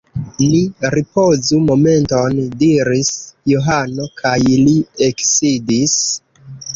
Ni ripozu momenton, diris Johano, kaj li eksidis.